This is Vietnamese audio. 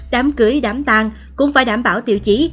đám cưới đám tan cũng phải đảm bảo tiêu chí